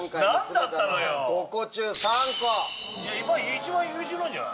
一番優秀なんじゃない？